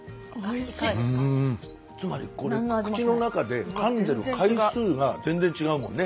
つまりこれ口の中でかんでる回数が全然違うもんね。